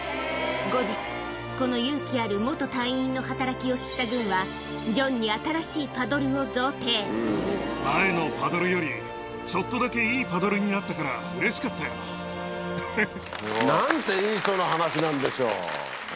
後日、この勇気ある元隊員の働きを知った軍は、ジョンに新しいパドルを前のパドルより、ちょっとだけいいパドルになったから、うれしかったよ。なんていい人の話なんでしょう。